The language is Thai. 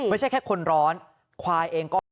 ไม่ใช่แค่คนร้อนควายเองก็